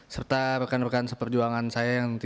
serta rekan rekan seperjuangan saya